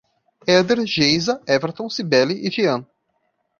Eder, Geisa, Everton, Cibele e Jean